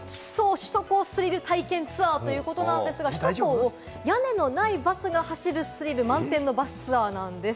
首都高スリル体験ツアーということなんですが、首都高を屋根のないバスが走るスリル満点のバスツアーなんです。